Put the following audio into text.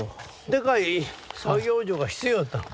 でかい作業所が必要やったの。